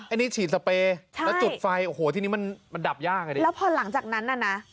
อันนี้ฉีดสเปรย์แล้วจุดไฟโอ้โหทีนี้มันมันดับยากอ่ะดิแล้วพอหลังจากนั้นน่ะนะ